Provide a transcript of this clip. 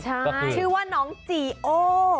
ใช่ชื่อว่าน้องจีโอ